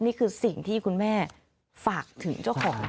นี่คือสิ่งที่คุณแม่ฝากถึงเจ้าของ